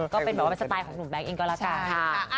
ก็เป็นแบบว่าสไตล์ของหนุ่มแก๊งเองก็แล้วกันค่ะ